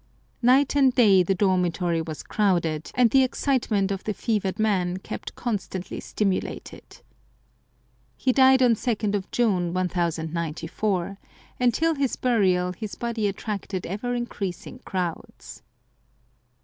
" Night and day the dormitory was crowded, and the excite ment of the fevered man kept constantly stimulated. He died on 2nd June 1094, and till his burial his body attracted ever increasing crowds.